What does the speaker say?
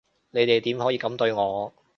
你哋點可以噉對我？